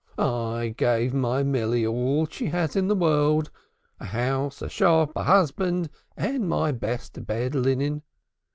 I gave my Milly all she has in the world a house, a shop, a husband, and my best bed linen.